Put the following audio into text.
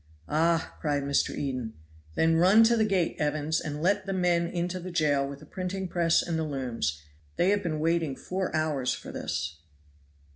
"Ah!" cried Mr. Eden. "Then run to the gate, Evans, and let the men into the jail with the printing press and the looms. They have been waiting four hours for this."